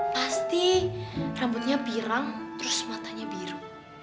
pasti rambutnya pirang terus matanya biru